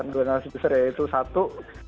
dua narasi besar ya itu satu